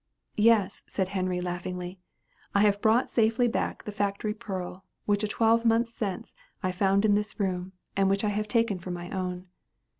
"Yes," said Henry laughingly, "I have brought safely back the Factory Pearl, which a twelvemonth since I found in this room, and which I have taken for my own."